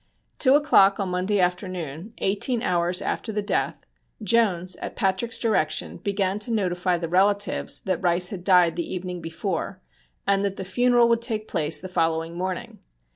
Two o'clock on Monday afternoon, eighteen hours after the death, Jones, at Patrick's direction, began to notify the relatives that Rice had died the evening before, and that the funeral would take place the following morning.